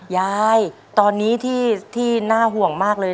ยายตอนนี้ที่น่าห่วงมากเลย